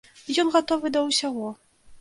Ён гатовы да ўсяго.